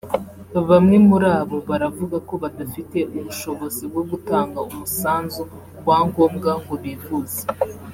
Bamwe muri abo baravuga ko badafite ubushobozi bwo gutanga umusanzu wa ngombwa ngo bivuze